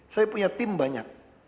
saya punya tim banyak